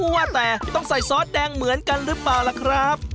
ว่าแต่ต้องใส่ซอสแดงเหมือนกันหรือเปล่าล่ะครับ